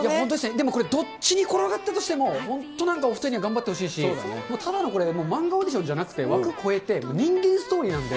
でもこれどっちに転がったとしても本当、お２人には頑張ってほしいし、もうただのこれ、漫画オーディションじゃなくて、枠超えて人間ストーリーなんで。